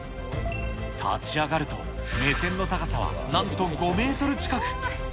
立ち上がると目線の高さはなんと５メートル近く。